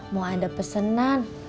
mau ada pesenan